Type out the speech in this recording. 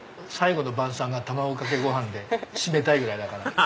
最後の晩さんが卵かけご飯で締めたいぐらいだから。